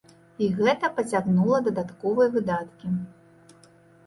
І гэта пацягнула дадатковыя выдаткі.